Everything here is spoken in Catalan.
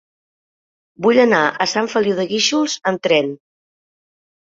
Vull anar a Sant Feliu de Guíxols amb tren.